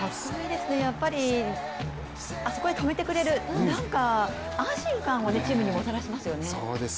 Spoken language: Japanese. やっぱりあそこで止めてくれる、何か安心感をチームにもたらしますよね。